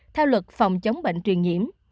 theo luật phòng chống bệnh truyền nhiễm